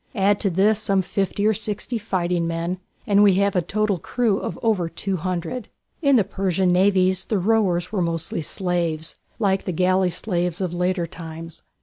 Add to this some fifty or sixty fighting men and we have a total crew of over two hundred. In the Persian navies the rowers were mostly slaves, like the galley slaves of later times.